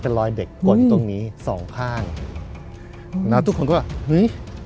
เป็นรอยเด็กกดตรงนี้สองข้างอืมแล้วทุกคนก็ว่าเฮ้ย